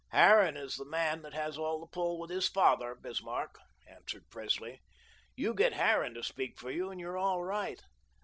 "Harran is the man that has the pull with his father, Bismarck," answered Presley. "You get Harran to speak for you, and you're all right."